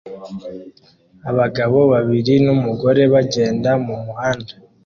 Abagabo babiri numugore bagenda mumuhanda